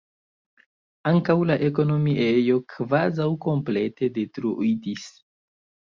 Ankaŭ la ekonomiejo kvazaŭ komplete detruitis.